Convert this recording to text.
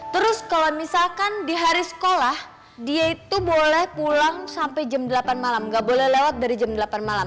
terus kalau misalkan di hari sekolah dia itu boleh pulang sampai jam delapan malam